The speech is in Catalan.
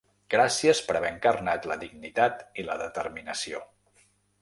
Gràcies per haver encarnat la dignitat i la determinació.